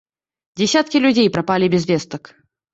Дзесяткі людзей прапалі без вестак.